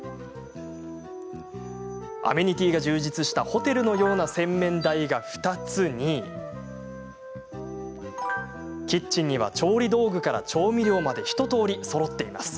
アメニティーが充実したホテルのような洗面台が２つにキッチンには調理道具から調味料まで一とおりそろっています。